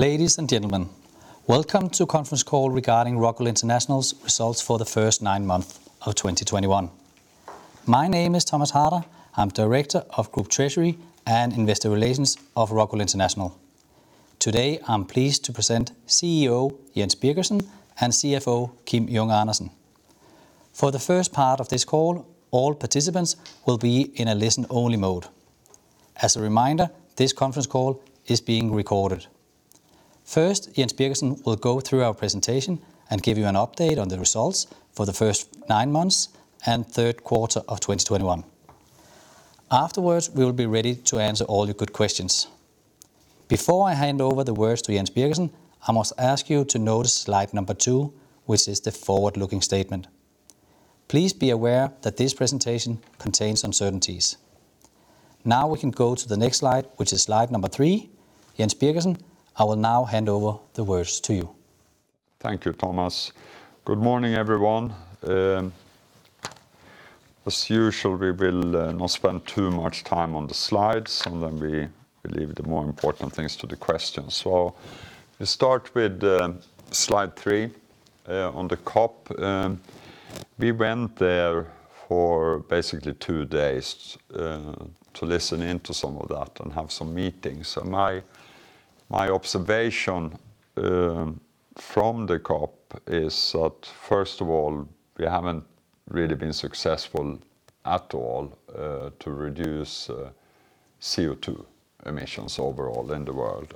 Ladies and gentlemen, welcome to the conference call regarding Rockwool International's results for the first nine months of 2021. My name is Thomas Harder. I'm Director of Group Treasury & Investor Relations of Rockwool International. Today, I'm pleased to present CEO Jens Birgersson and CFO Kim Junge Andersen. For the first part of this call, all participants will be in a listen-only mode. As a reminder, this conference call is being recorded. First, Jens Birgersson will go through our presentation and give you an update on the results for the first nine months and third quarter of 2021. Afterwards, we will be ready to answer all your good questions. Before I hand over to Jens Birgersson, I must ask you to notice slide number 2, which is the forward-looking statement. Please be aware that this presentation contains uncertainties. Now we can go to the next slide, which is slide number three. Jens Birgersson, I will now hand over the words to you. Thank you, Thomas. Good morning, everyone. As usual, we will not spend too much time on the slides, and then we will leave the more important things to the questions. We start with slide 3 on the COP. We went there for basically two days to listen into some of that and have some meetings. My observation from the COP is that, first of all, we haven't really been successful at all to reduce CO2 emissions overall in the world.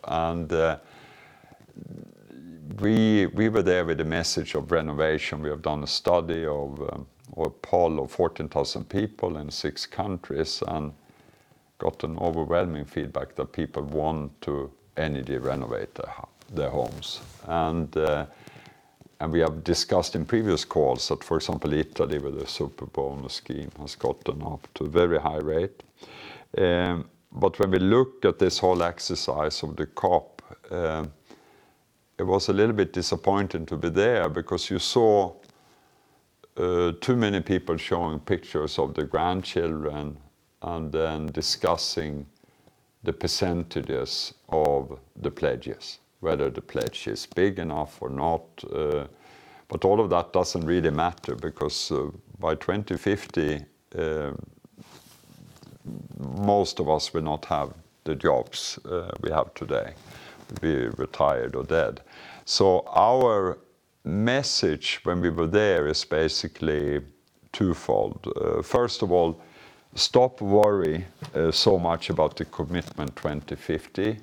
We were there with a message of renovation. We have done a study of or a poll of 14,000 people in six countries and got an overwhelming feedback that people want to energy renovate their homes. We have discussed in previous calls that, for example, Italy with the Superbonus scheme has gotten up to a very high rate. When we looked at this whole exercise of the COP, it was a little bit disappointing to be there because you saw too many people showing pictures of their grandchildren and then discussing the percentages of the pledges, whether the pledge is big enough or not. All of that doesn't really matter because by 2050 most of us will not have the jobs we have today. We'll be retired or dead. Our message when we were there is basically twofold. First of all, stop worrying so much about the commitment 2050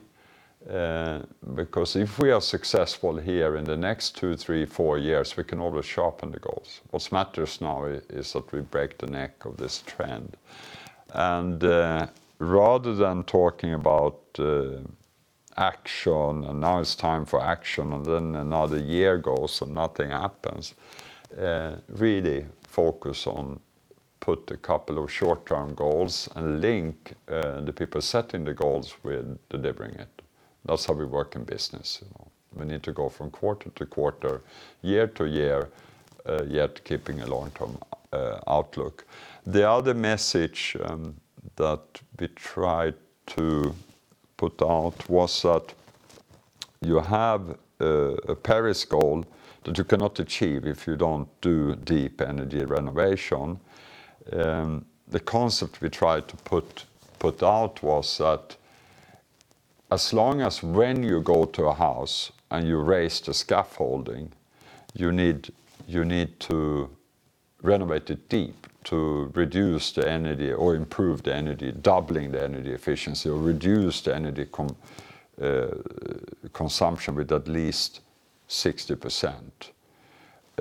because if we are successful here in the next two, three, four years, we can always sharpen the goals. What matters now is that we break the neck of this trend. Rather than talking about action, and now it's time for action, and then another year goes and nothing happens, really focus on putting a couple of short-term goals and link the people setting the goals with delivering it. That's how we work in business, you know. We need to go from quarter to quarter, year to year, yet keeping a long-term outlook. The other message that we tried to put out was that you have a Paris goal that you cannot achieve if you don't do deep energy renovation. The concept we tried to put out was that as long as when you go to a house and you raise the scaffolding, you need to renovate it deep to reduce the energy or improve the energy, doubling the energy efficiency, or reduce the energy consumption with at least 60%.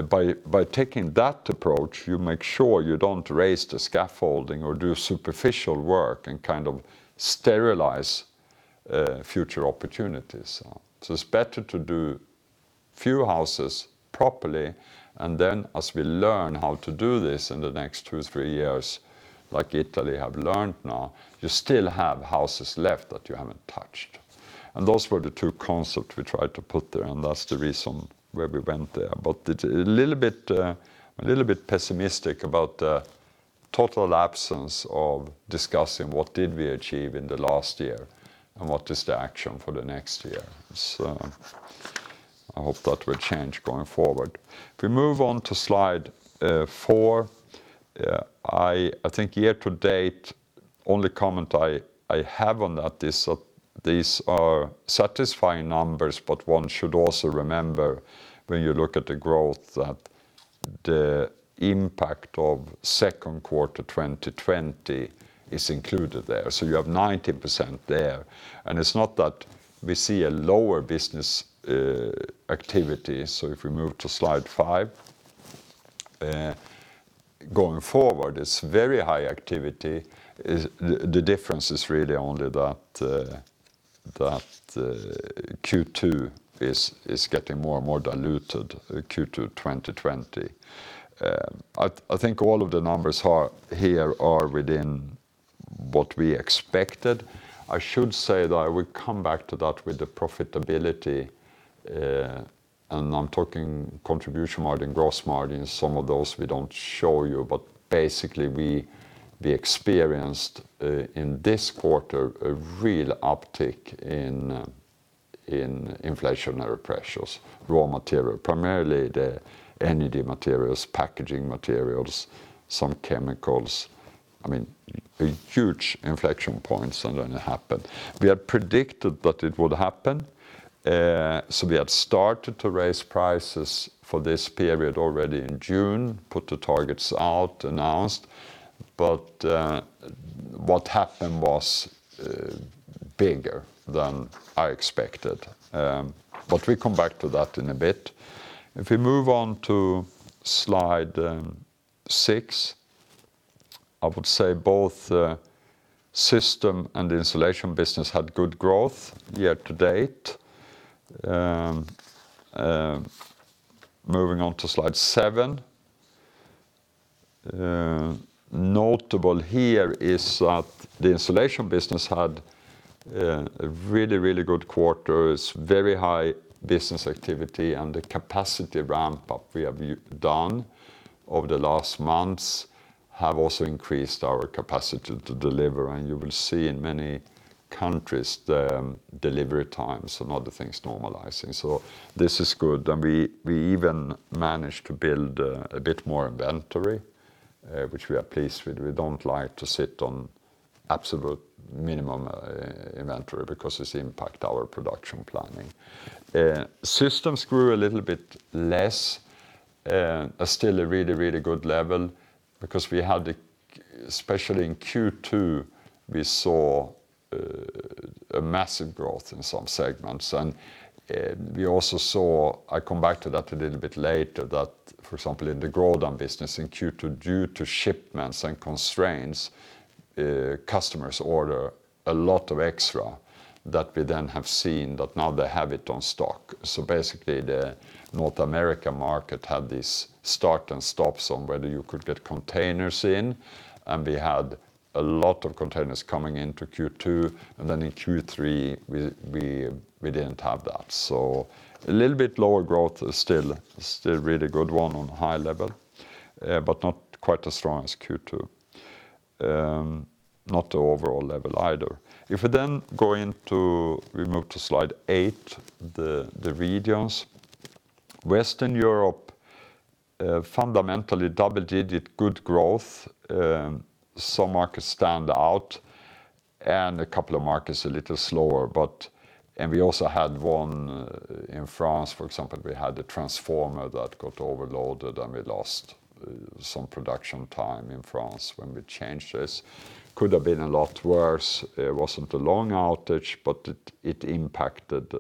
By taking that approach, you make sure you don't raise the scaffolding or do superficial work and kind of sterilize future opportunities. It's better to do few houses properly, and then as we learn how to do this in the next two, three years, like Italy have learned now, you still have houses left that you haven't touched. Those were the two concepts we tried to put there, and that's the reason why we went there. It's a little bit pessimistic about the total absence of discussing what did we achieve in the last year and what is the action for the next year. I hope that will change going forward. If we move on to slide 4, I think year to date, only comment I have on that is that these are satisfying numbers, but one should also remember when you look at the growth that the impact of Q2 2020 is included there. You have 90% there, and it's not that we see a lower business activity. If we move to slide 5, going forward, it's very high activity. The difference is really only that Q2 is getting more and more diluted, Q2 2020. I think all of the numbers here are within what we expected. I should say that I would come back to that with the profitability, and I'm talking contribution margin, gross margin, some of those we don't show you, but basically we experienced in this quarter a real uptick in inflationary pressures, raw material, primarily the energy materials, packaging materials, some chemicals. I mean, a huge inflection points are going to happen. We had predicted that it would happen, so we had started to raise prices for this period already in June, put the targets out, announced, but what happened was bigger than I expected, but we come back to that in a bit. If we move on to slide six, I would say both the system and the installation business had good growth year to date. Moving on to slide 7. Notable here is that the installation business had a really good quarters, very high business activity, and the capacity ramp-up we have done over the last months have also increased our capacity to deliver. You will see in many countries the delivery times and other things normalizing. This is good, and we even managed to build a bit more inventory, which we are pleased with. We don't like to sit on absolute minimum inventory because this impacts our production planning. Systems grew a little bit less, but still a really good level because we had, especially in Q2, we saw a massive growth in some segments. We also saw, I come back to that a little bit later, that, for example, in the Grodan business in Q2, due to shipments and constraints, customers order a lot of extra that we then have seen that now they have it on stock. Basically, the North America market had this start and stop on whether you could get containers in, and we had a lot of containers coming into Q2, and then in Q3, we didn't have that. A little bit lower growth, but still a really good one on high level, but not quite as strong as Q2, not the overall level either. We move to slide eight, the regions. Western Europe fundamentally double-digit good growth, some markets stand out, and a couple of markets a little slower. We also had one in France, for example. We had a transformer that got overloaded, and we lost some production time in France when we changed this. Could have been a lot worse. It wasn't a long outage, but it impacted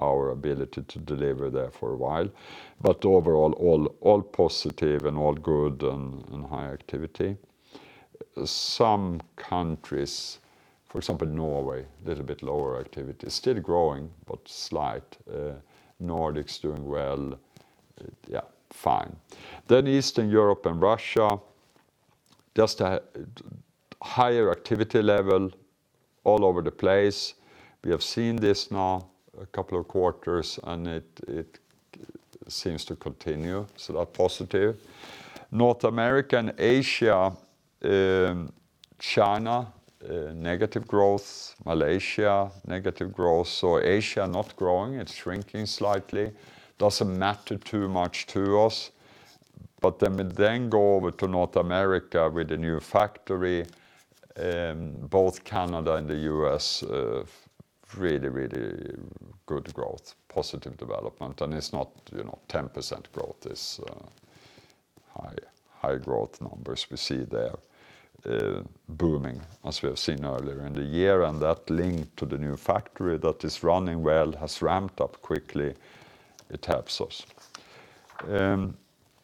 our ability to deliver there for a while. Overall, all positive, and all good, and high activity. Some countries, for example, Norway, a little bit lower activity, still growing, but slight. Nordics doing well. Yeah, fine. Eastern Europe and Russia just a higher activity level all over the place. We have seen this now a couple of quarters, and it seems to continue, so that's positive. North America and Asia, China negative growth, Malaysia negative growth. Asia not growing, it's shrinking slightly, doesn't matter too much to us. We go over to North America with a new factory, both Canada and the U.S., really good growth, positive development, and it's not, you know, 10% growth. It's high growth numbers we see there, booming as we have seen earlier in the year, and that linked to the new factory that is running well, has ramped up quickly. It helps us.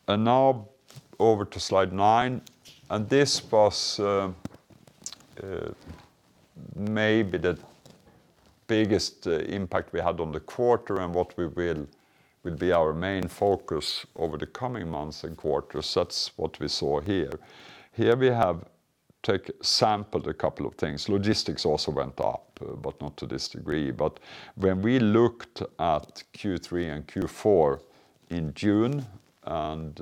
Now over to slide 9. This was maybe the biggest impact we had on the quarter and what will be our main focus over the coming months and quarters. That's what we saw here. Here we have sampled a couple of things. Logistics also went up, but not to this degree. When we looked at Q3 and Q4 in June, and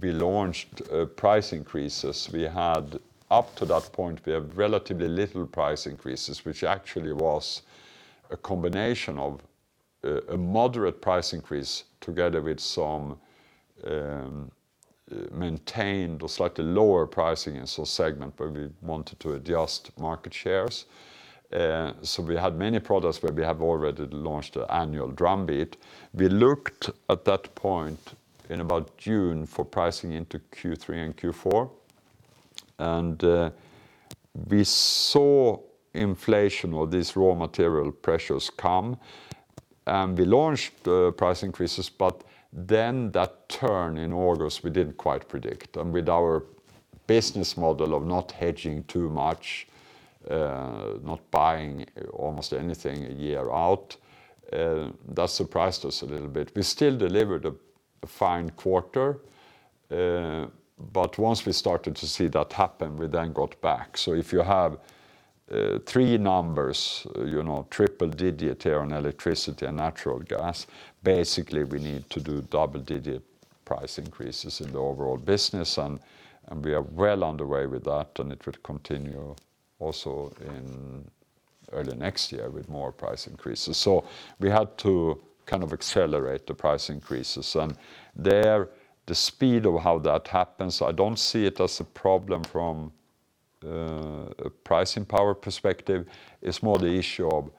we launched price increases, we had up to that point we have relatively little price increases, which actually was a combination of a moderate price increase together with some maintained or slightly lower pricing in some segment where we wanted to adjust market shares. So we had many products where we have already launched annual drum beat. We looked at that point in about June for pricing into Q3 and Q4, and we saw inflation or these raw material pressures come, and we launched the price increases, but then that turn in August, we didn't quite predict. With our business model of not hedging too much, not buying almost anything a year out, that surprised us a little bit. We still delivered a fine quarter. Once we started to see that happen, we then got back. If you have three numbers, you know, triple-digit here on electricity and natural gas, basically we need to do double-digit price increases in the overall business, and we are well underway with that, and it would continue also in early next year with more price increases. We had to kind of accelerate the price increases, and there, the speed of how that happens, I don't see it as a problem from a pricing power perspective. It's more the issue of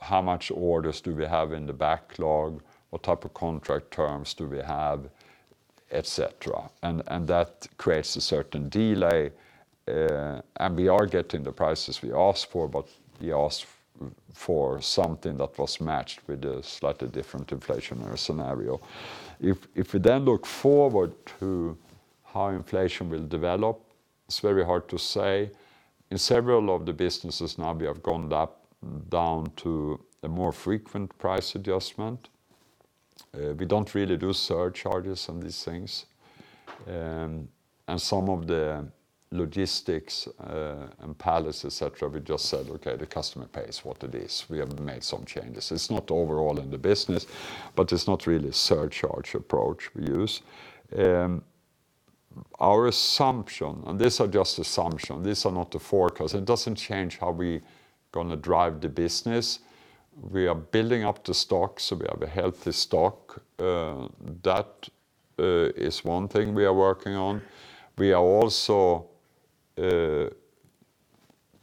how much orders do we have in the backlog? What type of contract terms do we have, et cetera? That creates a certain delay, and we are getting the prices we asked for, but we asked for something that was matched with a slightly different inflationary scenario. If we then look forward to how inflation will develop, it's very hard to say. In several of the businesses now we have gone up and down to a more frequent price adjustment. We don't really do surcharges on these things. Some of the logistics and pallets, et cetera, we just said, "Okay, the customer pays what it is." We have made some changes. It's not overall in the business, but it's not really a surcharge approach we use. Our assumptions, and these are just assumptions, these are not the forecast. It doesn't change how we gonna drive the business. We are building up the stock, so we have a healthy stock. That is one thing we are working on. We are also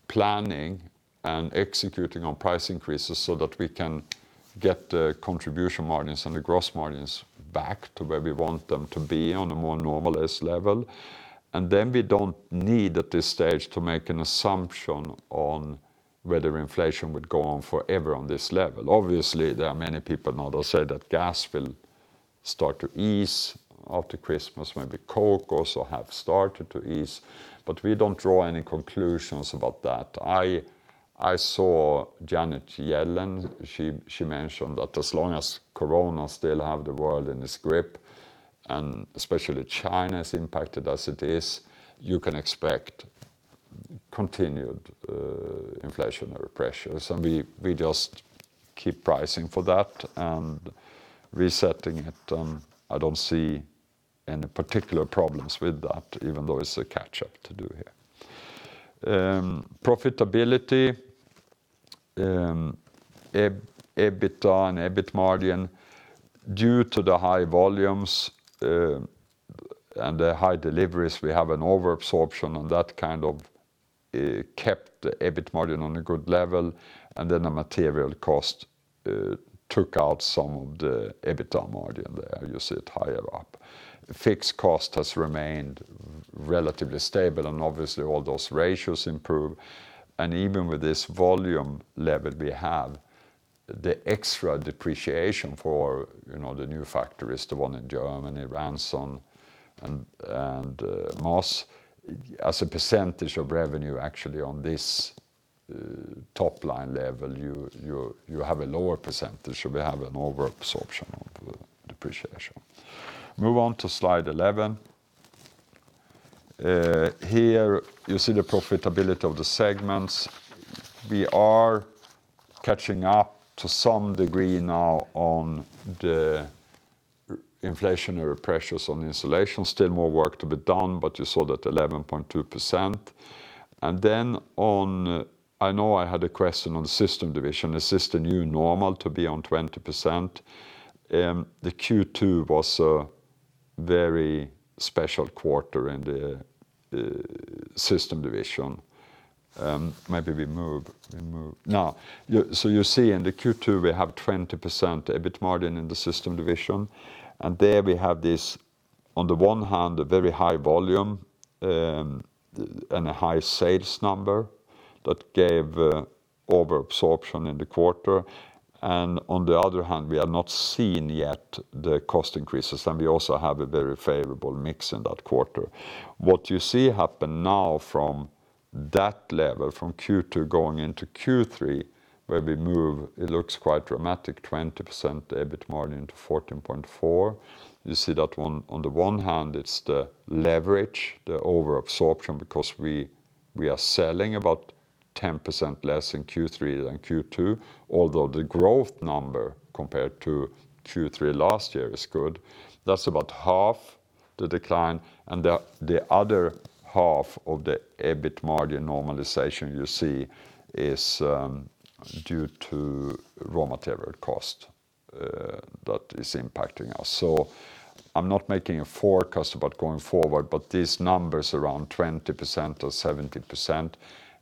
planning and executing on price increases so that we can get the contribution margins and the gross margins back to where we want them to be on a more normalized level. Then we don't need, at this stage, to make an assumption on whether inflation would go on forever on this level. Obviously, there are many people now that say that gas will start to ease after Christmas, maybe coal also have started to ease, but we don't draw any conclusions about that. I saw Janet Yellen. She mentioned that as long as Corona still have the world in its grip, and especially China is impacted as it is, you can expect continued inflationary pressures, and we just keep pricing for that and resetting it. I don't see any particular problems with that, even though it's a catch-up to do here. Profitability, EBITDA and EBIT margin, due to the high volumes and the high deliveries, we have an overabsorption, and that kind of kept the EBIT margin on a good level, and then the material cost took out some of the EBITDA margin there. You see it higher up. Fixed cost has remained relatively stable, and obviously all those ratios improve. Even with this volume level we have, the extra depreciation for, the new factories, the one in Germany, Ranshofen, and Moss, as a percentage of revenue actually on this top-line level, you have a lower percentage, so we have an overabsorption of the depreciation. Move on to slide 11. Here you see the profitability of the segments. We are catching up to some degree now on the inflationary pressures on the insulation. Still more work to be done, but you saw that 11.2%. Then on, I know I had a question on Systems division. Is this the new normal to be on 20%? The Q2 was a very special quarter in the Systems division. Maybe we move. Now, you see in the Q2, we have 20% EBIT margin in the System division, and there we have this, on the one hand, a very high volume, and a high sales number that gave overabsorption in the quarter. On the other hand, we have not seen yet the cost increases, and we also have a very favorable mix in that quarter. What you see happen now from that level, from Q2 going into Q3, where we move, it looks quite dramatic, 20% EBIT margin to 14.4%. You see that one, on the one hand, it's the leverage, the overabsorption, because we are selling about 10% less in Q3 than Q2, although the growth number compared to Q3 last year is good. That's about half the decline, and the other half of the EBIT margin normalization you see is due to raw material cost that is impacting us. I'm not making a forecast about going forward, but these numbers around 20% or 70%,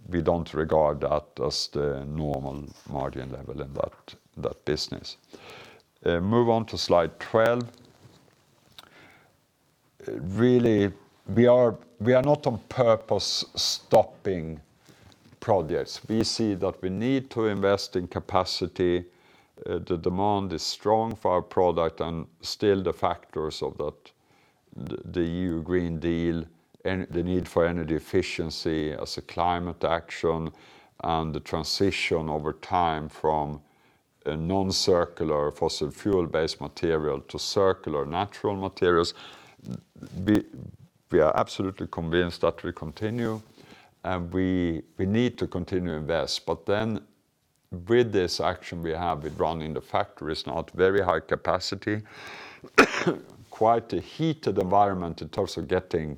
we don't regard that as the normal margin level in that business. Move on to slide 12. Really, we are not on purpose stopping projects. We see that we need to invest in capacity. The demand is strong for our product, and still the factors of that the European Green Deal and the need for energy efficiency as a climate action, and the transition over time from a non-circular fossil fuel-based material to circular natural materials. We are absolutely convinced that we continue, and we need to continue to invest. With this action we have with running the factories now at very high capacity, quite a heated environment in terms of getting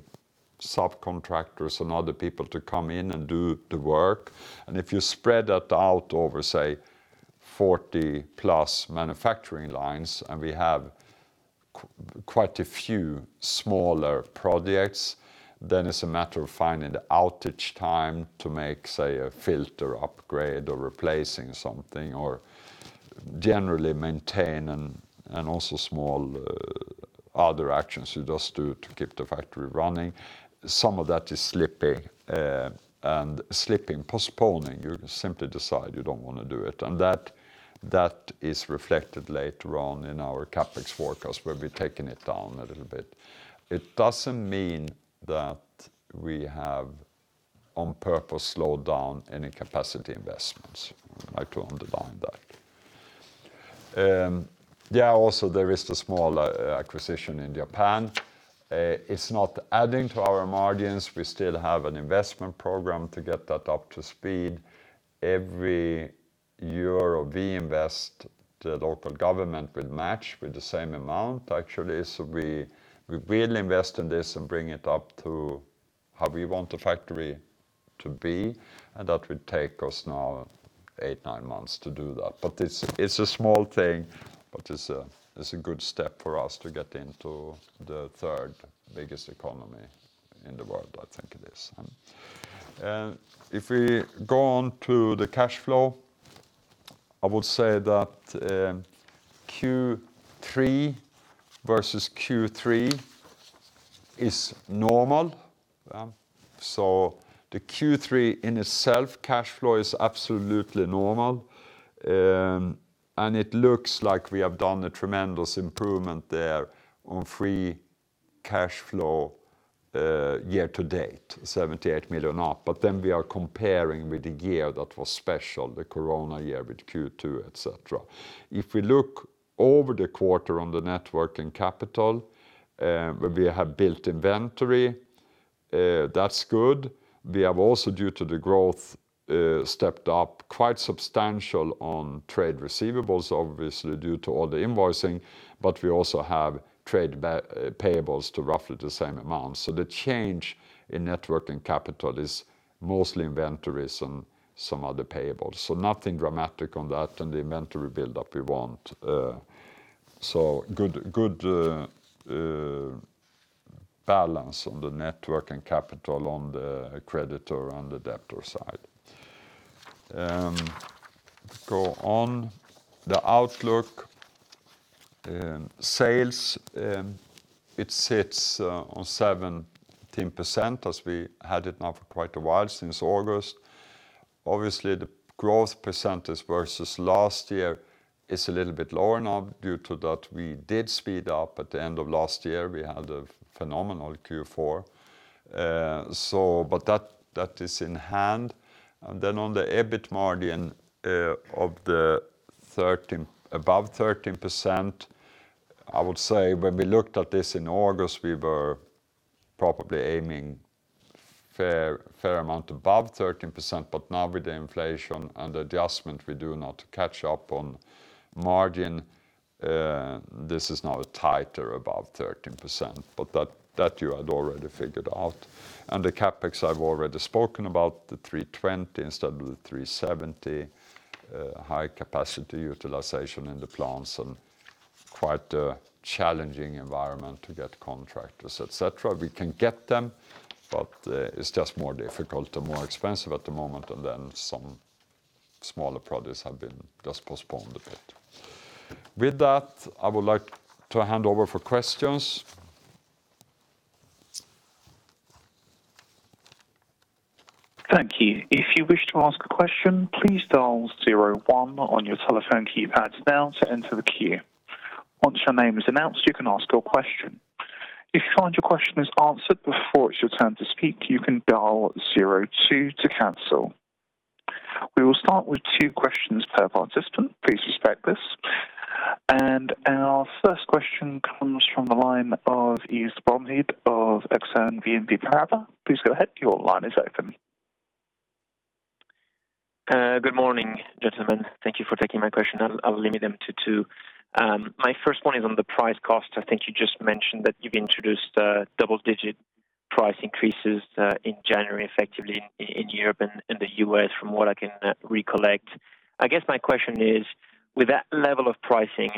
subcontractors and other people to come in and do the work. If you spread that out over, say, 40+ manufacturing lines, and we have quite a few smaller projects, it's a matter of finding the outage time to make, say, a filter upgrade or replacing something, or generally maintain and also small other actions you just do to keep the factory running. Some of that is slipping, postponing. You simply decide you don't want to do it. That is reflected later on in our CapEx forecast, where we've taken it down a little bit. It doesn't mean that we have on purpose slowed down any capacity investments. I'd like to underline that. Yeah, also there is the small acquisition in Japan. It's not adding to our margins. We still have an investment program to get that up to speed. Every euro we invest, the local government will match with the same amount, actually. So we will invest in this and bring it up to how we want the factory to be, and that will take us now 8-9 months to do that, but it's a small thing, but it's a good step for us to get into the third-biggest economy in the world, I think it is. If we go on to the cash flow, I would say that Q3 versus Q3 is normal. The Q3 in itself, cash flow is absolutely normal. It looks like we have done a tremendous improvement there on free cash flow, year to date, 78 million up. Then we are comparing with the year that was special, the corona year with Q2, etc. If we look over the quarter on the net working capital, where we have built inventory, that's good. We have also, due to the growth, stepped up quite substantial on trade receivables, obviously due to all the invoicing, but we also have trade payables to roughly the same amount. The change in net working capital is mostly inventories and some other payables. Nothing dramatic on that and the inventory build-up we want. Good balance on the net working capital on the creditor and the debtor side. Go on. The outlook, sales, it sits on 17% as we had it now for quite a while, since August. Obviously, the growth percentage versus last year is a little bit lower now due to that we did speed up at the end of last year. We had a phenomenal Q4. That is in hand. Then on the EBIT margin above 13%, I would say when we looked at this in August, we were probably aiming a fair amount above 13%. Now with the inflation and adjustment, we do not catch up on margin. This is now tighter above 13%, but that you had already figured out. The CapEx I've already spoken about, 320 instead of 370. High capacity utilization in the plants and quite a challenging environment to get contractors, et cetera. We can get them, but it's just more difficult and more expensive at the moment, and then some smaller projects have been just postponed a bit. With that, I would like to hand over for questions. Thank you. If you wish to ask a question, please dial zero one on your telephone keypad now to enter the queue. Once your name is announced, you can ask your question. If you find your question is answered before it's your turn to speak, you can dial zero two to cancel. We will start with two questions per participant. Please respect this. Our first question comes from the line of Yves Bromehead of Exane BNP Paribas. Please go ahead. Your line is open. Good morning, gentlemen. Thank you for taking my question. I'll limit them to two. My first one is on the price cost. I think you just mentioned that you've introduced double-digit price increases in January, effectively in Europe and in the U.S., from what I can recollect. I guess my question is, with that level of pricing,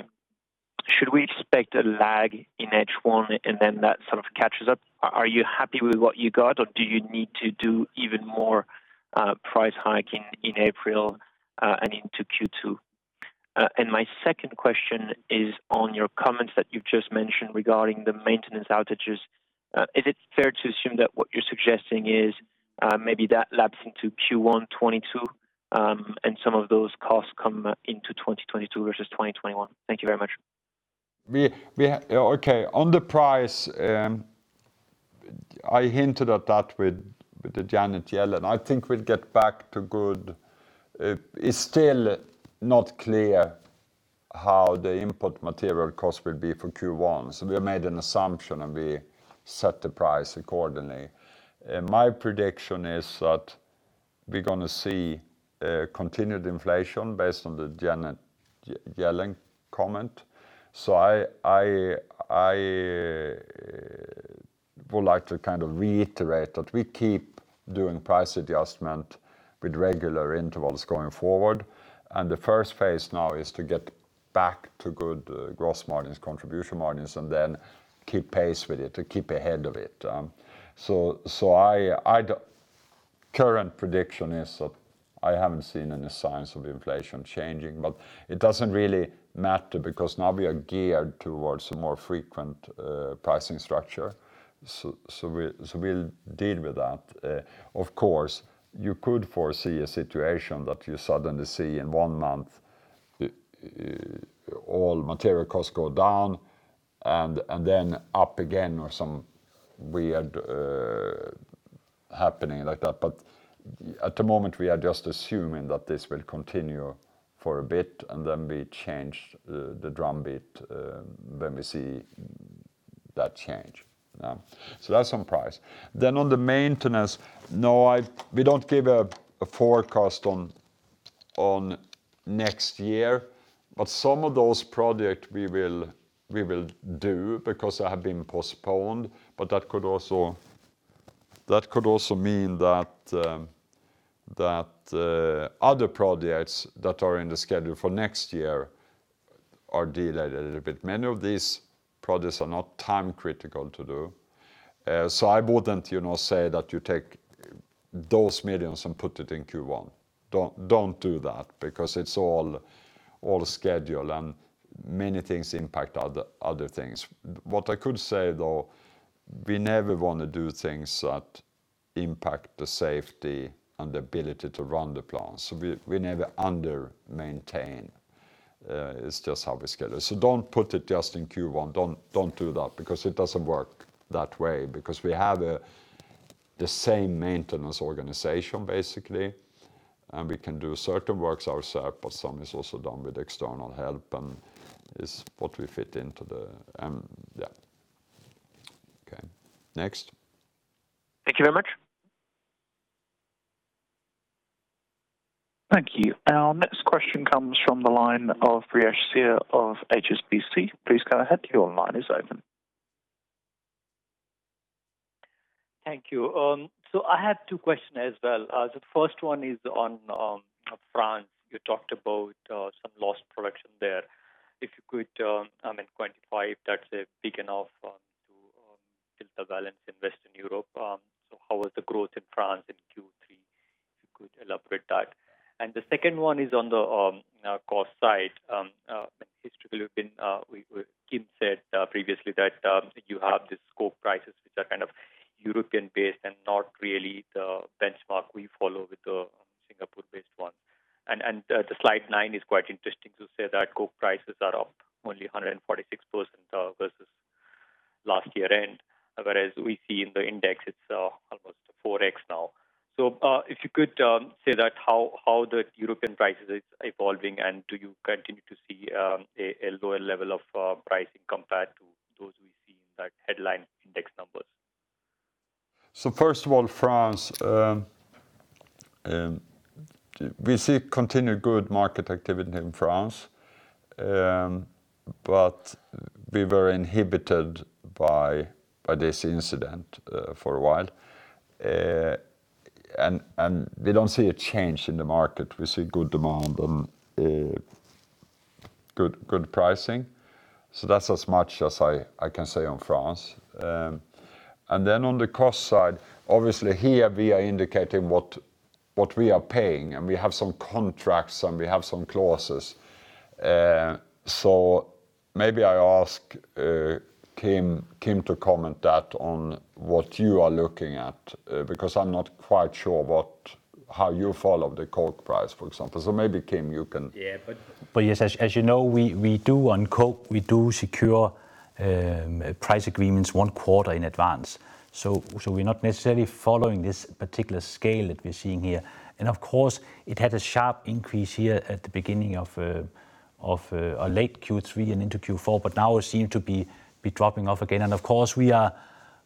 should we expect a lag in H1 and then that sort of catches up? Are you happy with what you got, or do you need to do even more price hiking in April and into Q2? My second question is on your comments that you've just mentioned regarding the maintenance outages. Is it fair to assume that what you're suggesting is maybe that laps into Q1 2022, and some of those costs come into 2022 versus 2021? Thank you very much. Okay. On the price, I hinted at that with Janet Yellen. I think we'll get back to good. It's still not clear how the input material cost will be for Q1. We have made an assumption, and we set the price accordingly. My prediction is that we're gonna see continued inflation based on the Janet Yellen comment. I would like to kind of reiterate that we keep doing price adjustment with regular intervals going forward. The first phase now is to get back to good gross margins, contribution margins, and then keep pace with it, to keep ahead of it. Current prediction is that I haven't seen any signs of inflation changing. It doesn't really matter because now we are geared towards a more frequent pricing structure. We'll deal with that. Of course, you could foresee a situation that you suddenly see in one month, all material costs go down and then up again or some weird happening like that. At the moment, we are just assuming that this will continue for a bit, and then we change the drum beat when we see that change. That's on price. On the maintenance. No, we don't give a forecast on next year. Some of those projects we will do because they have been postponed. That could also mean that other projects that are in the schedule for next year are delayed a little bit. Many of these projects are not time-critical to do. I wouldn't, say that you take those millions and put it in Q1. Don't do that because it's all schedule, and many things impact other things. What I could say, though, we never wanna do things that impact the safety and the ability to run the plant. We never under-maintain. It's just how we schedule. Don't put it just in Q1. Don't do that because it doesn't work that way. Because we have the same maintenance organization, basically, and we can do certain works ourself, but some is also done with external help, and it's what we fit into the. Okay. Next. Thank you very much. Thank you. Our next question comes from the line of Brijesh Kumar Siya of HSBC. Please go ahead. Your line is open. Thank you. I have two questions as well. The first one is on France. You talked about some lost production there. If you could, I mean, quantify if that's big enough to tilt the balance in Western Europe. So how was the growth in France in Q3? If you could elaborate that. The second one is on the cost side. Historically been, Kim said previously that you have these coke prices which are kind of European-based and not really the benchmark we follow with the Singapore-based one. The slide 9 is quite interesting to say that coke prices are up only 146%, versus last year end. Whereas we see in the index it's almost 4x now. If you could say how the European prices is evolving, and do you continue to see a lower level of pricing compared to those we see in that headline index numbers? First of all, France. We see continued good market activity in France. We were inhibited by this incident for a while. We don't see a change in the market. We see good demand and good pricing. That's as much as I can say on France. On the cost side, obviously here we are indicating what we are paying, and we have some contracts, and we have some clauses. Maybe I ask Kim to comment on what you are looking at because I'm not quite sure how you follow the coke price, for example. Maybe, Kim, you can- Yeah. Yes, as you know, we do on coke, we do secure price agreements one quarter in advance. We're not necessarily following this particular scale that we're seeing here. Of course, it had a sharp increase here at the beginning of late Q3 and into Q4, but now it seems to be dropping off again. Of course, we are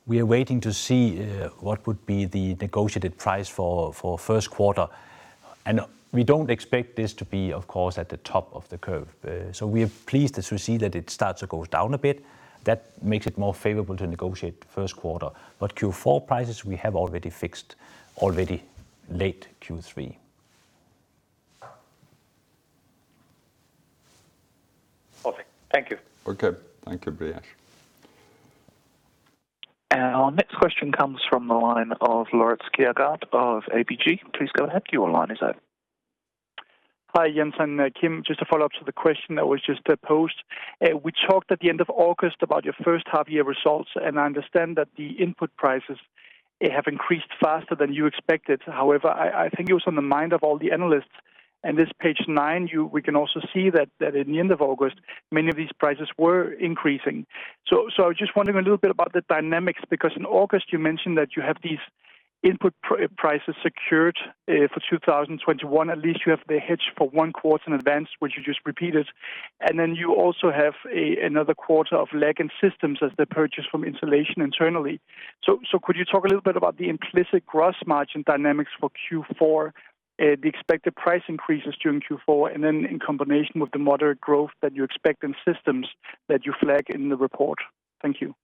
waiting to see what would be the negotiated price for first quarter. We don't expect this to be, of course, at the top of the curve. We are pleased as we see that it starts to go down a bit. That makes it more favorable to negotiate first quarter. Q4 prices we have already fixed late Q3. Okay. Thank you. Okay. Thank you, Brijesh Siya. Our next question comes from the line of Laurits Kjærgaard of ABG. Please go ahead. Your line is open. Hi, Jens and Kim. Just a follow-up to the question that was just posed. We talked at the end of August about your first half-year results, and I understand that the input prices have increased faster than you expected. However, I think it was on the mind of all the analysts, and this page nine we can also see that in the end of August, many of these prices were increasing. Just wondering a little bit about the dynamics, because in August you mentioned that you have these input prices secured for 2021. At least you have the hedge for one quarter in advance, which you just repeated, and then you also have another quarter of lag in systems as they purchase from insulation internally. Could you talk a little bit about the implicit gross margin dynamics for Q4, the expected price increases during Q4, and then in combination with the moderate growth that you expect in systems that you flag in the report? Thank you.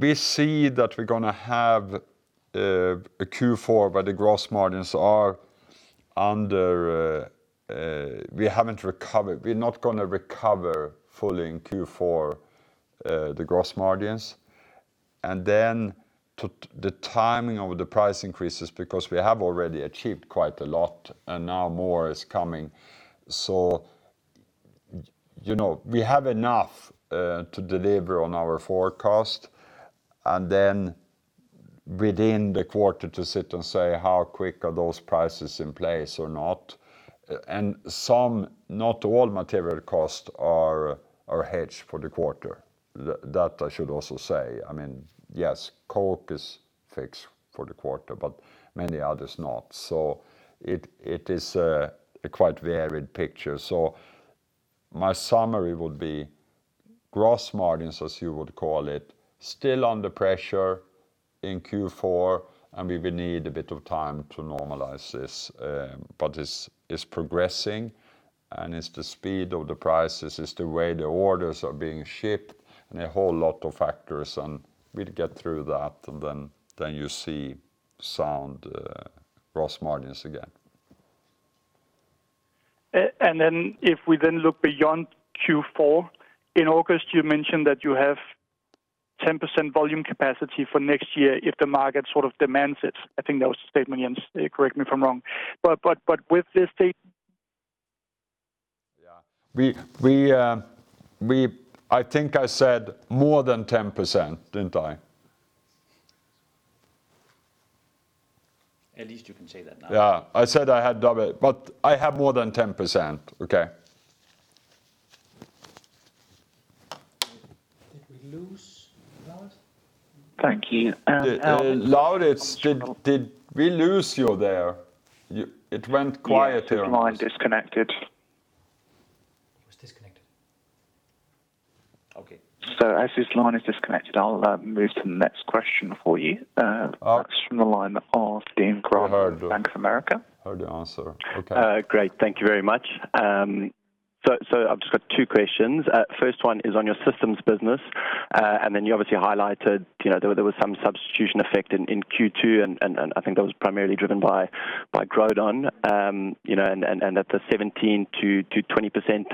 We see that we're gonna have a Q4 where the gross margins are under. We haven't recovered. We're not gonna recover fully in Q4, the gross margins. The timing of the price increases, because we have already achieved quite a lot, and now more is coming. We have enough to deliver on our forecast, and then within the quarter to sit and say how quick those prices are in place or not. Some, not all material costs are hedged for the quarter. That I should also say. I mean, yes, coke is fixed for the quarter, but many others not. It is a quite varied picture. My summary would be gross margins, as you would call it, still under pressure in Q4, and we will need a bit of time to normalize this. It's progressing, and it's the speed of the prices, it's the way the orders are being shipped, and a whole lot of factors, and we'll get through that, and then you see sound gross margins again. If we look beyond Q4, in August, you mentioned that you have 10% volume capacity for next year if the market sort of demands it. I think that was the statement, Jens. Correct me if I'm wrong. With this state- Yeah. I think I said more than 10%, didn't I? At least you can say that now. Yeah. I said I had double, but I have more than 10%. Okay? Did we lose Laurits? Thank you. Laurits, did we lose you there? It went quiet here. Yeah. The line disconnected. It was disconnected? Okay. As this line is disconnected, I'll move to the next question for you. Oh. Next from the line of Dean Graham. You heard the- Bank of America. Heard the answer. Okay. Great. Thank you very much. I've just got two questions. First one is on your systems business, and then you obviously highlighted, you know, there was some substitution effect in Q2, and I think that was primarily driven by Grodan. That the 17%-20%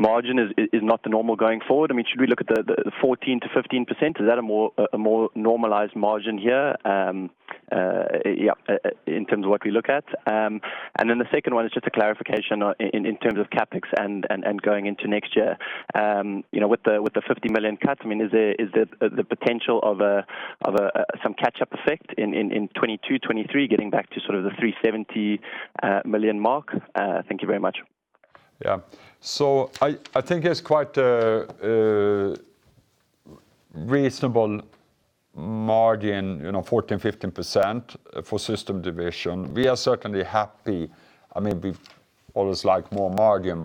margin is not the normal going forward. I mean, should we look at the 14%-15%? Is that a more normalized margin here, in terms of what we look at? And then the second one is just a clarification on CapEx and going into next year. With the 50 million cuts, I mean, is there the potential of some catch-up effect in 2022, 2023 getting back to sort of the 370 million mark? Thank you very much. Yeah. I think it's quite reasonable margin, 14%-15% for System Division. We are certainly happy. I mean, we always like more margin,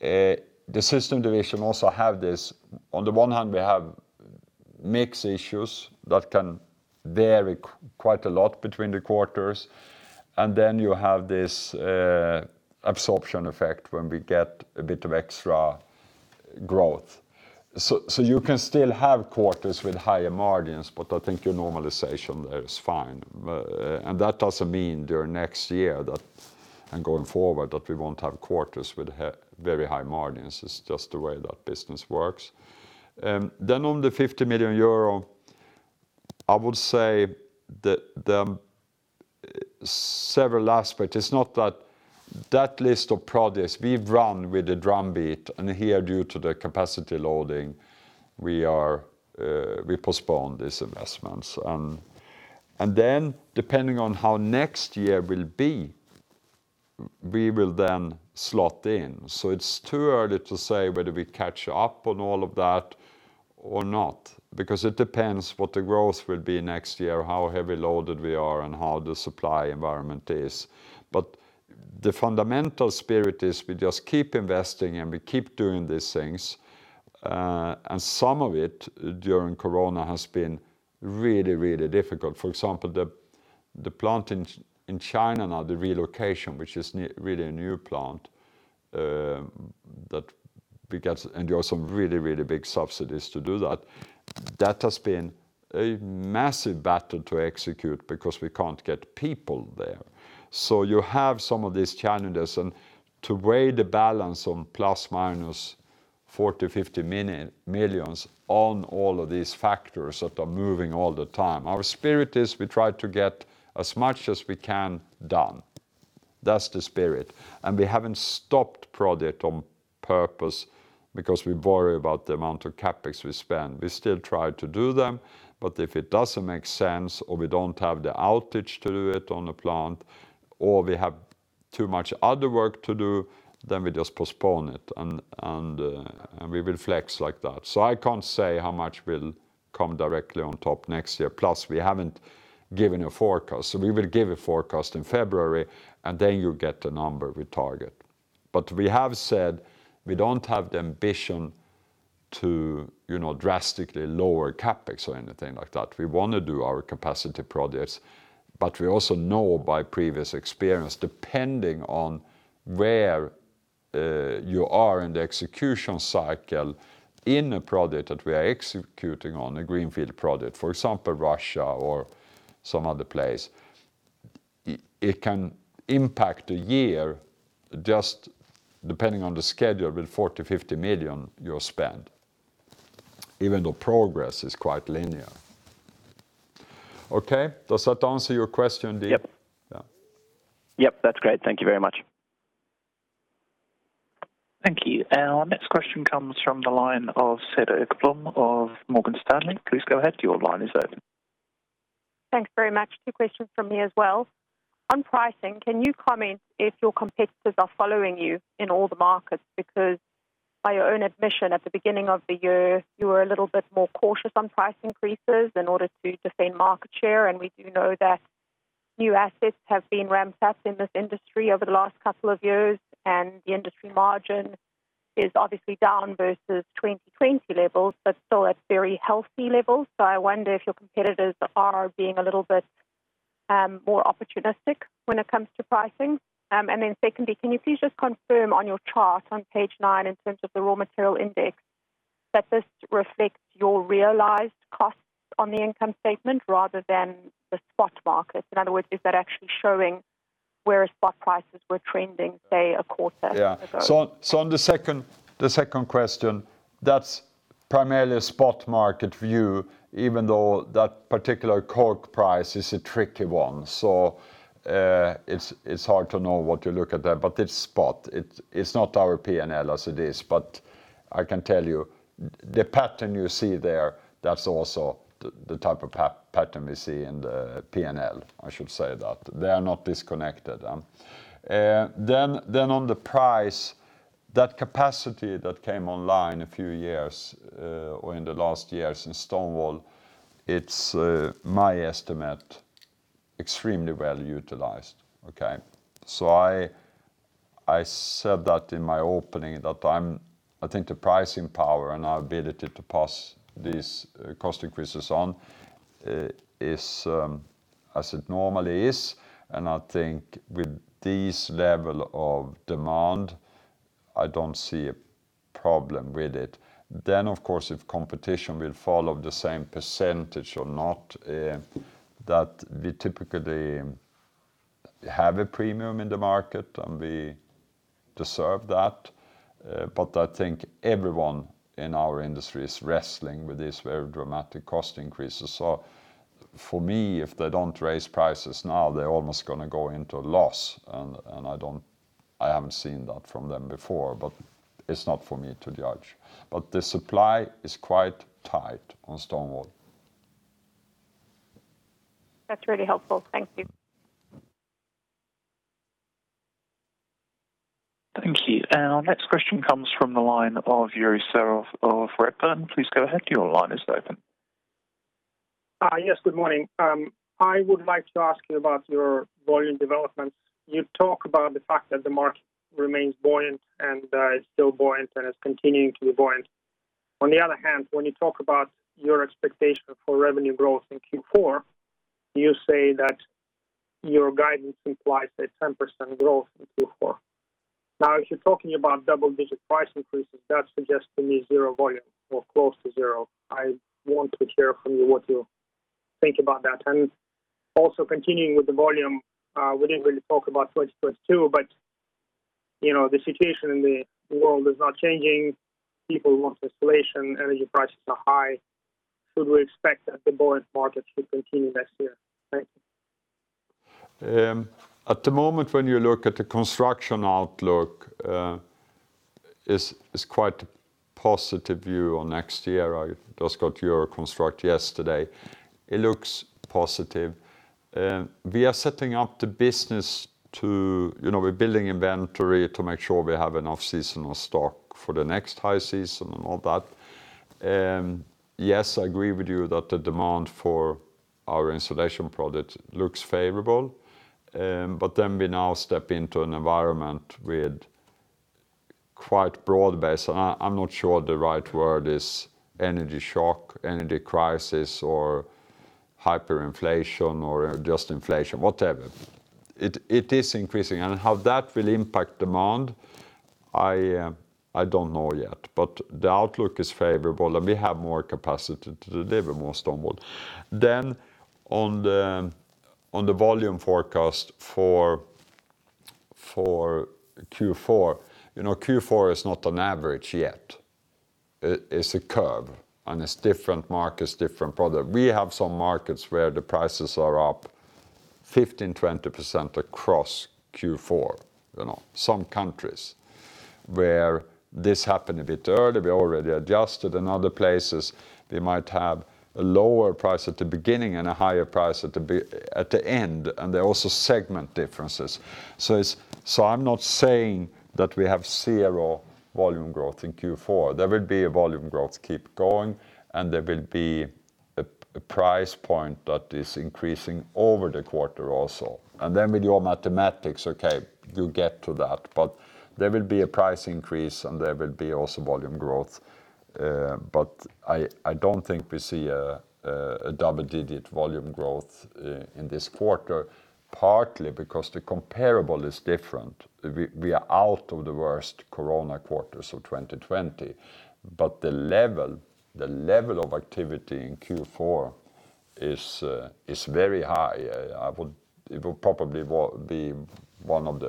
but the System Division also have this, on the one hand we have mix issues that can vary quite a lot between the quarters, and then you have this absorption effect when we get a bit of extra growth. You can still have quarters with higher margins, but I think your normalization there is fine. That doesn't mean during next year that, and going forward, that we won't have quarters with very high margins. It's just the way that business works. On the 50 million euro, I would say there are several aspects. It's not that list of projects we've run with the drum beat, and here, due to the capacity loading, we postpone these investments. Depending on how next year will be, we will then slot in. It's too early to say whether we catch up on all of that or not, because it depends what the growth will be next year, how heavy loaded we are, and how the supply environment is. The fundamental spirit is we just keep investing and we keep doing these things, and some of it during Corona has been really, really difficult. For example, the plant in China now, the relocation, which is really a new plant, that we get. There are some really, really big subsidies to do that. That has been a massive battle to execute because we can't get people there. You have some of these challenges, and to weigh the balance on plus minus 40 million, 50 million on all of these factors that are moving all the time. Our spirit is we try to get as much as we can done. That's the spirit. We haven't stopped project on purpose because we worry about the amount of CapEx we spend. We still try to do them, but if it doesn't make sense or we don't have the outage to do it on a plant, or we have too much other work to do, then we just postpone it and we will flex like that. I can't say how much will come directly on top next year. Plus, we haven't given a forecast. We will give a forecast in February, and then you'll get the number we target. We have said we don't have the ambition to, you know, drastically lower CapEx or anything like that. We wanna do our capacity projects, but we also know by previous experience, depending on where you are in the execution cycle in a project that we are executing on, a greenfield project, for example, Russia or some other place, it can impact a year just depending on the schedule with 40 million-50 million you spend, even though progress is quite linear. Okay, does that answer your question, Dean? Yep. Yeah. Yep, that's great. Thank you very much. Thank you. Our next question comes from the line of Cedar Ekblom of Morgan Stanley. Please go ahead. Your line is open. Thanks very much. Two questions from me as well. On pricing, can you comment if your competitors are following you in all the markets? Because by your own admission, at the beginning of the year, you were a little bit more cautious on price increases in order to defend market share, and we do know that new assets have been ramped up in this industry over the last couple of years, and the industry margin is obviously down versus 2020 levels, but still at very healthy levels. I wonder if your competitors are being a little bit more opportunistic when it comes to pricing. And then secondly, can you please just confirm on your chart on page 9 in terms of the raw material index that this reflects your realized costs on the income statement rather than the spot market? In other words, is that actually showing where spot prices were trending, say, a quarter ago? On the second question, that's primarily a spot market view, even though that particular coke price is a tricky one. It's hard to know what to look at there, but it's spot. It's not our P&L as it is. I can tell you the pattern you see there, that's also the type of pattern we see in the P&L. I should say that. They are not disconnected. On the price, that capacity that came online a few years or in the last years in Stonewall, it's my estimate, extremely well utilized, okay? I said that in my opening that I think the pricing power and our ability to pass these cost increases on is as it normally is, and I think with this level of demand, I don't see a problem with it. Of course, if competition will follow the same percentage or not, that we typically have a premium in the market, and we deserve that. I think everyone in our industry is wrestling with these very dramatic cost increases. For me, if they don't raise prices now, they're almost gonna go into a loss. I haven't seen that from them before, but it's not for me to judge. The supply is quite tight on stone wool. That's really helpful. Thank you. Thank you. Our next question comes from the line of Yuri Serov of Redburn. Please go ahead. Your line is open. Yes, good morning. I would like to ask you about your volume developments. You talk about the fact that the market remains buoyant and is still buoyant and is continuing to be buoyant. On the other hand, when you talk about your expectation for revenue growth in Q4, you say that your guidance implies a 10% growth in Q4. Now, if you're talking about double-digit price increases, that suggests to me zero volume or close to zero. I want to hear from you what you think about that. Also continuing with the volume, we didn't really talk about 2022, but you know, the situation in the world is not changing. People want insulation. Energy prices are high. Should we expect that the buoyant market will continue next year? Thank you. At the moment, when you look at the construction outlook, it is quite a positive view on next year. I just got your consensus yesterday. It looks positive. We are setting up the business. We're building inventory to make sure we have enough seasonal stock for the next high season and all that. Yes, I agree with you that the demand for our insulation product looks favorable, but then we now step into an environment with quite broad-based. I'm not sure the right word is energy shock, energy crisis or hyperinflation or just inflation, whatever. It is increasing. How that will impact demand, I don't know yet. The outlook is favorable, and we have more capacity to deliver more stone wool. On the volume forecast for Q4, you know, Q4 is not an average yet. It’s a curve, and it’s different markets, different product. We have some markets where the prices are up 15, 20% across Q4, you know. Some countries where this happened a bit early, we already adjusted. In other places, we might have a lower price at the beginning and a higher price at the end, and there are also segment differences. So I’m not saying that we have zero volume growth in Q4. There will be a volume growth keep going, and there will be a price point that is increasing over the quarter also. With your mathematics, okay, you get to that. There will be a price increase, and there will be also volume growth. I don't think we see a double-digit volume growth in this quarter, partly because the comparable is different. We are out of the worst Corona quarters of 2020. The level of activity in Q4 is very high. It will probably be one of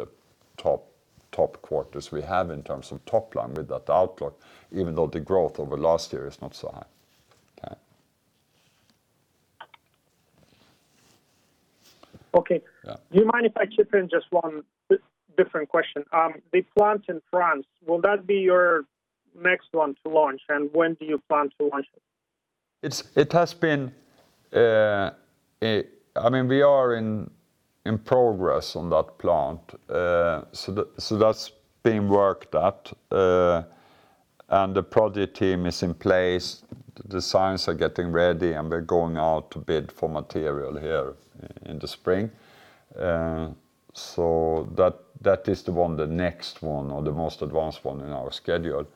the top quarters we have in terms of top line with that outlook, even though the growth over last year is not so high. Okay. Okay. Yeah. Do you mind if I chip in just one different question? The plant in France, will that be your next one to launch, and when do you plan to launch it? I mean, we are in progress on that plant. That's being worked at, and the project team is in place. The site's getting ready, and we're going out to bid for material here in the spring. That is the one, the next one or the most advanced one in our schedule.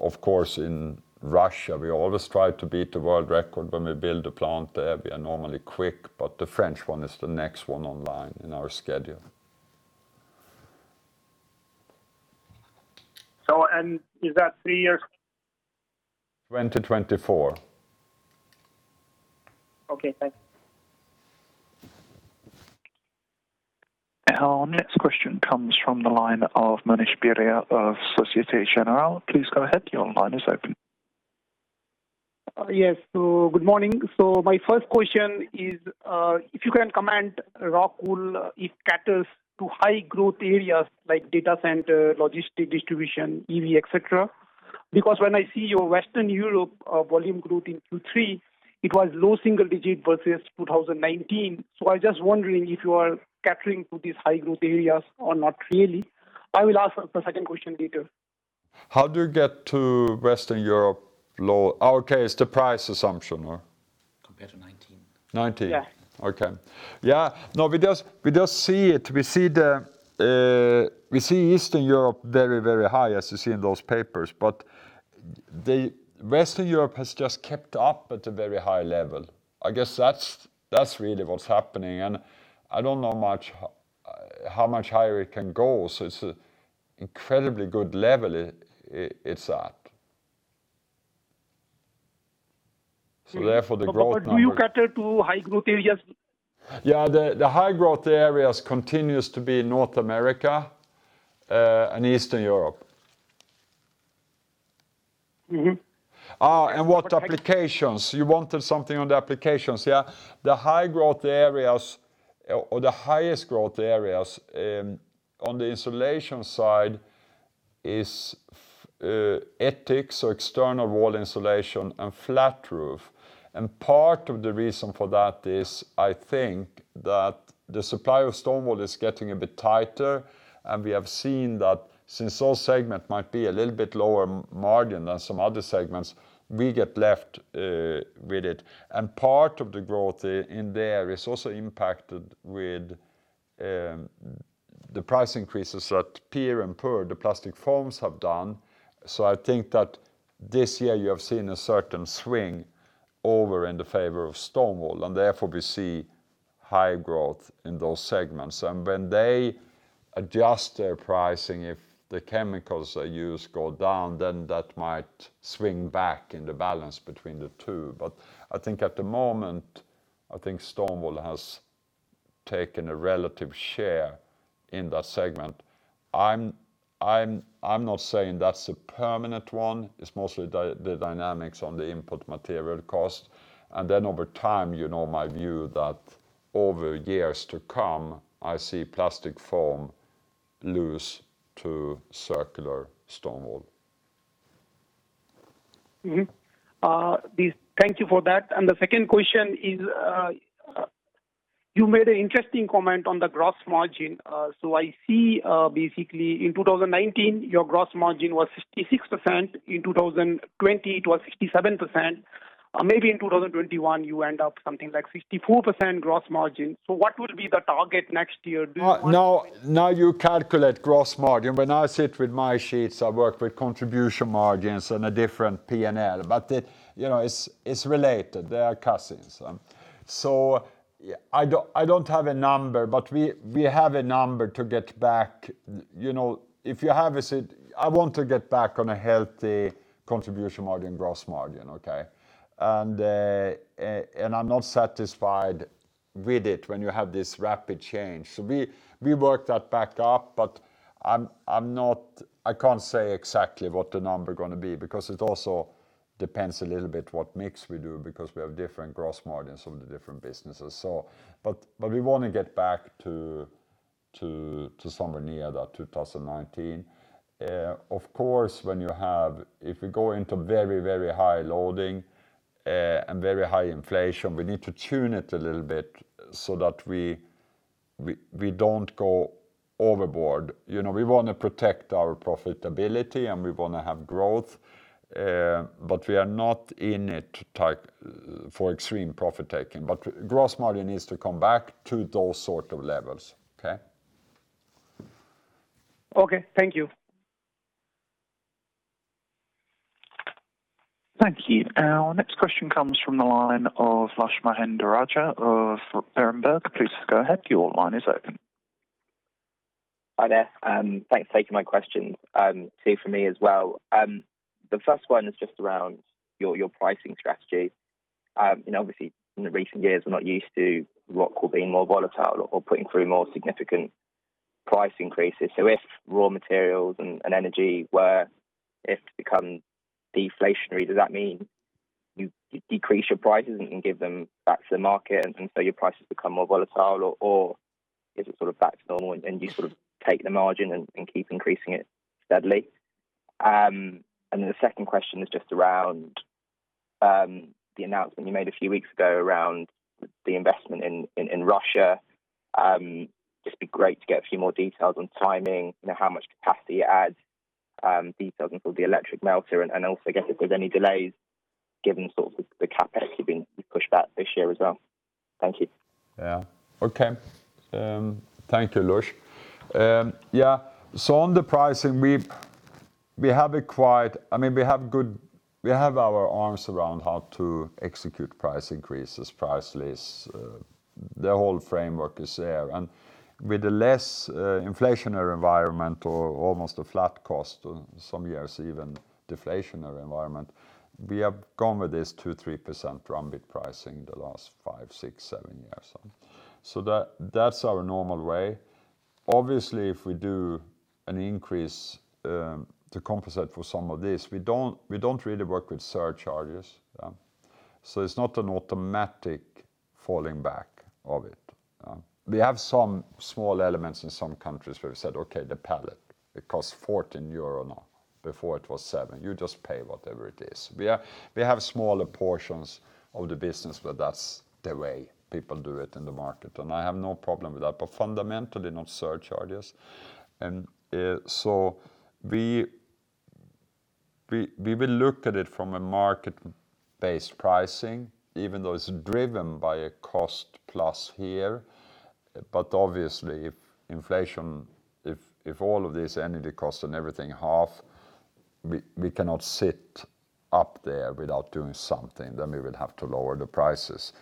Of course, in Russia, we always try to beat the world record when we build a plant there. We are normally quick, but the French one is the next one online in our schedule. Is that three years? 2024. Okay, thanks. Our next question comes from the line of Manish Beria of Société Générale. Please go ahead. Your line is open. Good morning. My first question is, if you can comment ROCKWOOL, it caters to high growth areas like data center, logistics distribution, EV, et cetera. Because when I see your Western Europe volume growth in Q3, it was low single digit versus 2019. I was just wondering if you are catering to these high growth areas or not really. I will ask the second question later. How do you get to Western Europe low? Okay, it's the price assumption, no? Compared to 19. Nineteen? Yeah. Okay. Yeah. No, we just see it. We see Eastern Europe very, very high as you see in those papers. The Western Europe has just kept up at a very high level. I guess that's really what's happening, and I don't know how much higher it can go. It's a incredibly good level it's at. Therefore the growth number. Do you cater to high growth areas? Yeah, the high growth areas continues to be North America and Eastern Europe. Mm-hmm. What applications? You wanted something on the applications. The high growth areas or the highest growth areas on the insulation side is attics or external wall insulation and flat roof. Part of the reason for that is I think that the supply of stone wool is getting a bit tighter, and we have seen that since those segment might be a little bit lower margin than some other segments, we get left with it. Part of the growth in there is also impacted with the price increases that PIR and PUR, the plastic foams have done. I think that this year you have seen a certain swing over in the favor of stone wool, and therefore we see high growth in those segments. When they adjust their pricing, if the chemicals they use go down, then that might swing back in the balance between the two. But I think at the moment, I think stone wool has taken a relative share in that segment. I'm not saying that's a permanent one. It's mostly the dynamics on the input material cost. Then over time, you know my view that over years to come, I see plastic foam lose to circular stone wool. Thank you for that. The second question is, you made an interesting comment on the gross margin. I see, basically in 2019, your gross margin was 66%. In 2020, it was 67%. Maybe in 2021, you end up something like 64% gross margin. What would be the target next year? Do you want No. Now you calculate gross margin. When I sit with my sheets, I work with contribution margins and a different P&L. It's related. They are cousins, so I don't have a number, but we have a number to get back. I want to get back on a healthy contribution margin, gross margin, okay? I'm not satisfied with it when you have this rapid change. So we worked that back up, but I'm not. I can't say exactly what the number gonna be because it also depends a little bit what mix we do because we have different gross margins on the different businesses. We wanna get back to somewhere near that 2019. Of course, if we go into very, very high loading and very high inflation, we need to tune it a little bit so that we don't go overboard. We wanna protect our profitability, and we wanna have growth, but we are not in it to take for extreme profit-taking. Gross margin needs to come back to those sort of levels. Okay? Okay. Thank you. Thank you. Our next question comes from the line of Lush Mahendarajah of Berenberg. Please go ahead. Your line is open. Hi there, and thanks for taking my question. Two from me as well. The first one is just around your pricing strategy. Obviously in the recent years, we're not used to stone wool being more volatile or putting through more significant price increases. If raw materials and energy were to become deflationary, does that mean you decrease your prices and can give them back to the market, and your prices become more volatile? Or is it sort of back to normal, and you sort of take the margin and keep increasing it steadily? Then the second question is just around the announcement you made a few weeks ago around the investment in Russia. Just be great to get a few more details on timing, how much capacity it adds, details including the electric melter and also I guess if there's any delays given sort of the capacity being pushed back this year as well. Thank you. Yeah. Okay. Thank you, Lush. Yeah. On the pricing, we have our arms around how to execute price increases, price lists. The whole framework is there. With a less inflationary environment or almost a flat cost, some years even deflationary environment, we have gone with this 2%-3% run-rate pricing the last 5, 6, 7 years. That, that's our normal way. Obviously, if we do an increase to compensate for some of this, we don't really work with surcharges. It's not an automatic falling back of it. We have some small elements in some countries where we said, "Okay, the pallet it costs 14 euro now. Before it was 7. You just pay whatever it is. We have smaller portions of the business, but that's the way people do it in the market. I have no problem with that. Fundamentally, not surcharges. We will look at it from a market-based pricing, even though it's driven by a cost-plus here. Obviously, if inflation, if all of this energy costs and everything halves, we cannot sit up there without doing something, then we will have to lower the prices.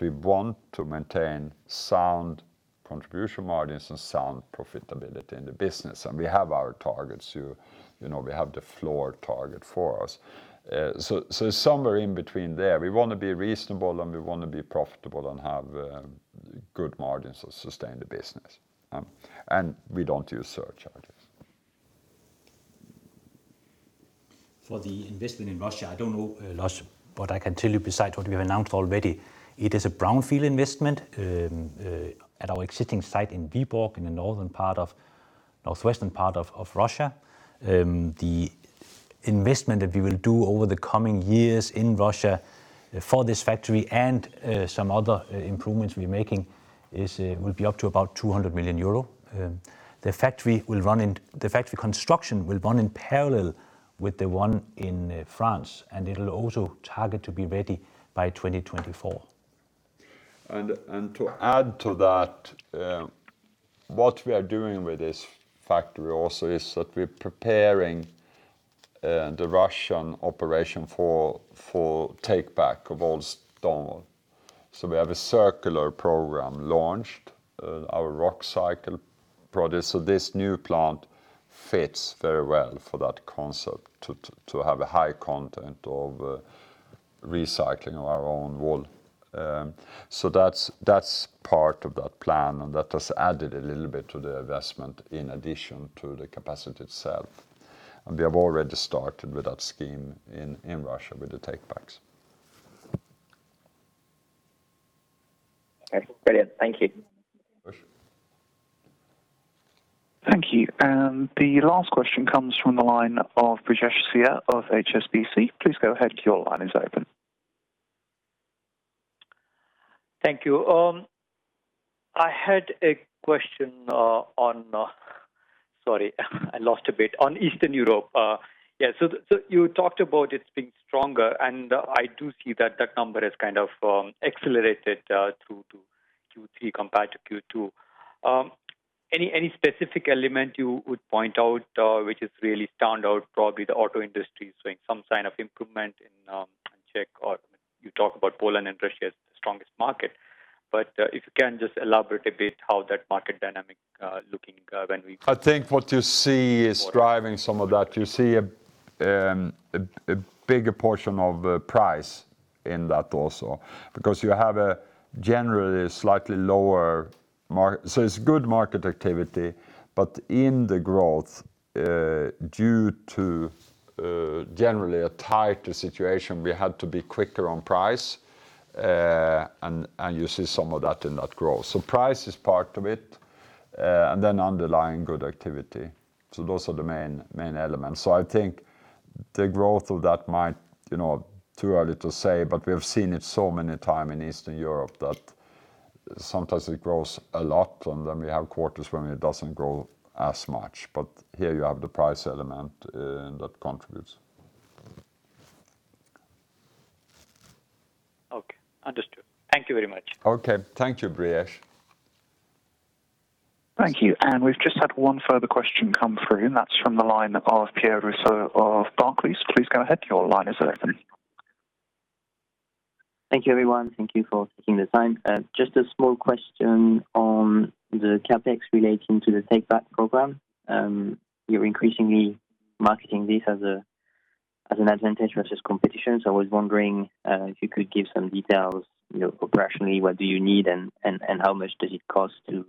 We want to maintain sound contribution margins and sound profitability in the business. We have our targets. You know, we have the floor target for us. So somewhere in between there, we wanna be reasonable, and we wanna be profitable and have good margins to sustain the business. We don't use surcharges. For the investment in Russia, I don't know, Lush, but I can tell you besides what we have announced already, it is a brownfield investment at our existing site in Vyborg in the northwestern part of Russia. The investment that we will do over the coming years in Russia for this factory and some other improvements we're making will be up to about 200 million euro. The factory construction will run in parallel with the one in France, and it'll also target to be ready by 2024. To add to that, what we are doing with this factory also is that we're preparing the Russian operation for Take-Back of old stone wool. We have a circular program launched, our Rockcycle program. This new plant fits very well for that concept to have a high content of recycling of our own wool. That's part of that plan, and that has added a little bit to the investment in addition to the capacity itself. We have already started with that scheme in Russia with the Take-Backs. Okay. Brilliant. Thank you. Sure. Thank you. The last question comes from the line of Brijesh Siya of HSBC. Please go ahead. Your line is open. Thank you. I had a question on Eastern Europe. Yeah. You talked about it being stronger, and I do see that number has kind of accelerated through to Q3 compared to Q2. Any specific element you would point out which has really stand out? Probably the auto industry is showing some sign of improvement in Czech or you talk about Poland and Russia as the strongest market. If you can just elaborate a bit how that market dynamic looking when we- I think what you see is driving some of that. It's good market activity, but in the growth due to generally a tighter situation, we had to be quicker on price. You see some of that in that growth. Price is part of it, and then underlying good activity. Those are the main elements. I think the growth of that might, you know, too early to say, but we have seen it so many times in Eastern Europe that sometimes it grows a lot, and then we have quarters when it doesn't grow as much. Here you have the price element, and that contributes. Okay. Understood. Thank you very much. Okay. Thank you, Brijesh. Thank you. We've just had one further question come through, and that's from the line of Pierre Rousseau of Barclays. Please go ahead, your line is open. Thank you, everyone. Thank you for taking the time. Just a small question on the CapEx relating to the Take-Back program. You're increasingly marketing this as an advantage versus competition. I was wondering if you could give some details, you know, operationally, what do you need and how much does it cost to.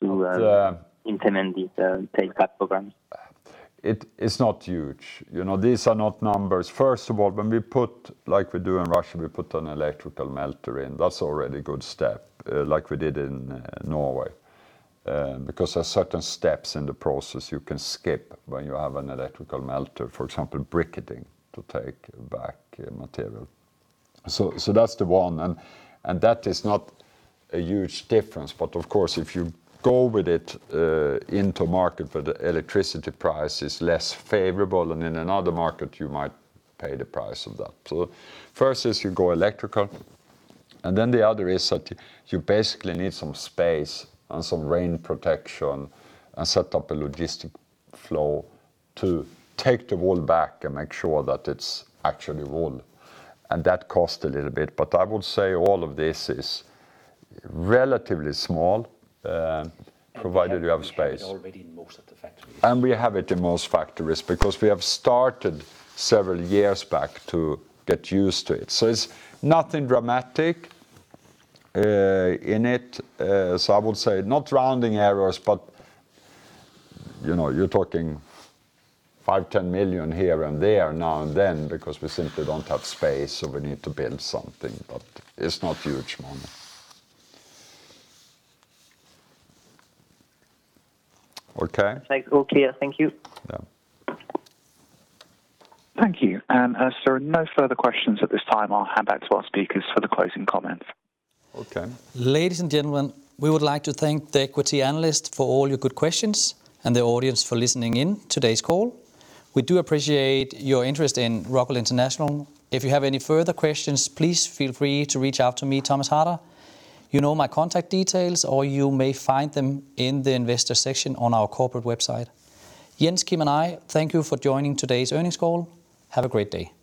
The-... implement these, Take-Back programs? It is not huge. You know, these are not numbers. First of all, when we put, like we do in Russia, we put an electrical melter in, that's already good step, like we did in Norway. Because there's certain steps in the process you can skip when you have an electrical melter, for example, briquetting to take back material. That's the one, and that is not a huge difference, but of course, if you go with it into market where the electricity price is less favorable than in another market, you might pay the price of that. First is you go electrical, and then the other is that you basically need some space and some rain protection and set up a logistic flow to take the wool back and make sure that it's actually wool, and that cost a little bit. I would say all of this is relatively small, provided you have space. You have it already in most of the factories. We have it in most factories because we have started several years back to get used to it. It's nothing dramatic in it. I would say not rounding errors, but, you know, you're talking 5 million, 10 million here and there now and then because we simply don't have space, so we need to build something. But it's not huge money. Okay? Thanks. All clear. Thank you. Yeah. Thank you. As there are no further questions at this time, I'll hand back to our speakers for the closing comments. Okay. Ladies and gentlemen, we would like to thank the equity analysts for all your good questions and the audience for listening in today's call. We do appreciate your interest in Rockwool International. If you have any further questions, please feel free to reach out to me, Thomas Harder. You know my contact details, or you may find them in the investor section on our corporate website. Jens, Kim, and I thank you for joining today's earnings call. Have a great day.